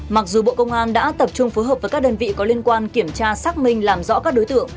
mặc dù bộ công an đã tập trung phối hợp với các đơn vị có liên quan kiểm tra xác minh làm rõ các đối tượng